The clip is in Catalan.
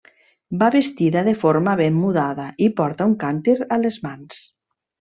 Va vestida de forma ben mudada i porta un càntir a les mans.